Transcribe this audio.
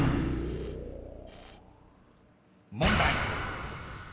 ［問題］